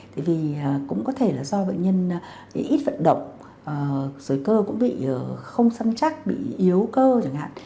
tại vì cũng có thể là do bệnh nhân ít vận động rồi cơ cũng bị không săn chắc bị yếu cơ chẳng hạn